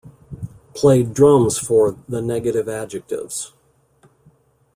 Played drums for "The Negative Adjectives".